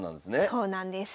そうなんです。